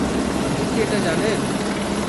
আপনি কী এটা জানেন?